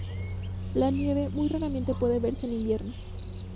La nieve, muy raramente, puede verse en invierno.